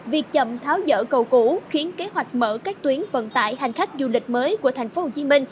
việc chậm tháo dỡ cầu cũ khiến kế hoạch mở các tuyến vận tải hành khách du lịch mới của tp hcm